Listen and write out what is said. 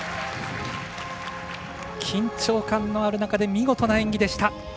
緊張感のある中で見事な演技でした。